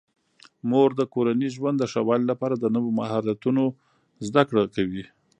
مور د کورني ژوند د ښه والي لپاره د نویو مهارتونو زده کړه کوي.